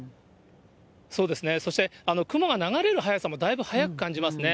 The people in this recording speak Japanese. そして、雲が流れる速さもだいぶ速く感じますね。